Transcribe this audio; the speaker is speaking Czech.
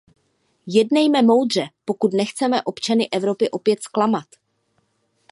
Jednejme moudře, pokud nechceme občany Evropy opět zklamat.